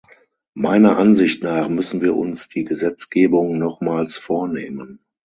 Meiner Ansicht nach müssen wir uns die Gesetzgebung nochmals vornehmen.